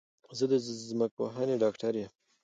زه د ځمکپوهنې ډاکټر یم